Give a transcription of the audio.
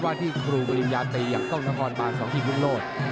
ว่าที่ครูกริมยาตีอย่างเก้าน้ำคอร์นบาทส่องที่รุ่งโลศ